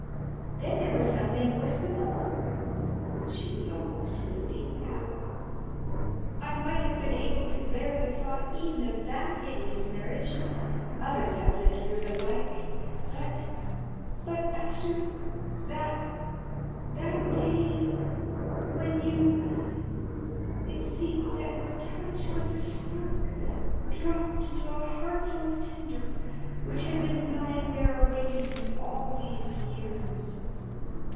Then there was something worse than all," she was almost weeping now "I might have been able to bear the thought even of that hideous marriage others have lived through the like but but after that that day when you it seemed that your touch was a spark dropped into a heart full of tinder, which had been lying there awaiting it all these years.